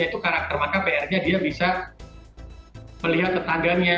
itu karakter maka pr nya dia bisa melihat tetangganya